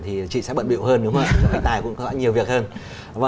thì chị sẽ bận biểu hơn đúng không ạ